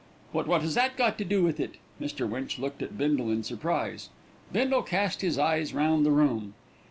"But what has that got to do with it?" Mr. Winch looked at Bindle in surprise. Bindle cast his eyes round the room.